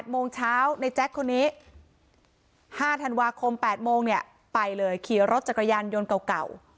โมงเช้าในแจ๊คคนนี้๕ธันวาคม๘โมงเนี่ยไปเลยขี่รถจักรยานยนต์เก่า